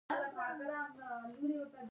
باز کله نا کله جوړه لري